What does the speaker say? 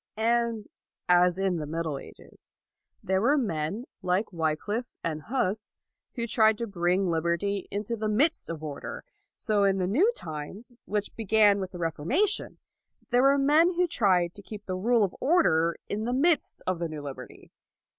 And, as in the Middle Ages, there were men, like Wycliffe and Hus, who tried to bring liberty into the midst of order, so in the new times, which began with the Reformation, there were men who tried to keep the rule of order in the midst of the new liberty.